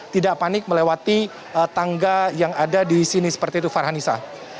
tidak panik melewati tangga yang ada di sini seperti itu farhanisa